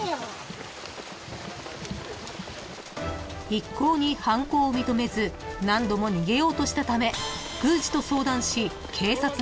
［一向に犯行を認めず何度も逃げようとしたため宮司と相談し］